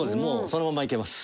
そのままいけます。